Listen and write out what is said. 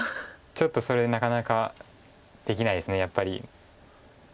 ちょっとそれなかなかできないですやっぱり。